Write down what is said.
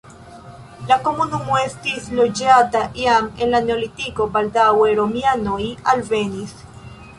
La komunumo estis loĝata jam en la neolitiko, baldaŭe romianoj alvenis.